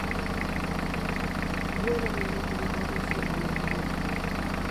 Gueren honek ere badu zer aleturik.